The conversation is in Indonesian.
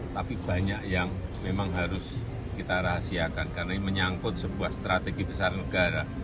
tapi banyak yang memang harus kita rahasiakan karena ini menyangkut sebuah strategi besar negara